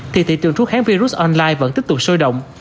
thì thị trường trú kháng virus online vẫn tiếp tục sôi động